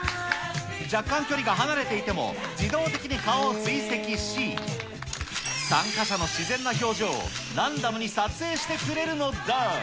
若干距離が離れていても、自動的に顔を追跡し、参加者の自然な表情をランダムに撮影してくれるのだ。